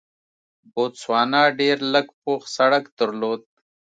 بوتسوانا ډېر لږ پوخ سړک درلود.